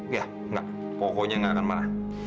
ya enggak pokoknya gak akan marah